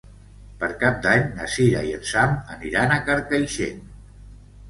Per Cap d'Any na Cira i en Sam aniran a Carcaixent.